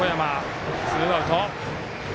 ツーアウト。